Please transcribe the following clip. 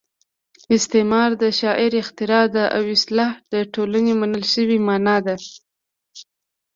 استعاره د شاعر اختراع ده او اصطلاح د ټولنې منل شوې مانا ده